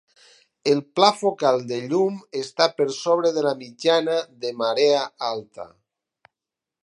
El pla focal de llum està per sobre de la mitjana de marea alta.